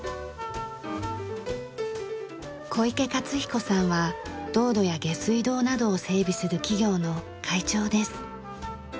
小池克彦さんは道路や下水道などを整備する企業の会長です。